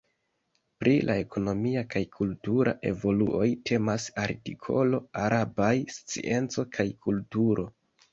Pri la ekonomia kaj kultura evoluoj temas artikolo arabaj scienco kaj kulturo.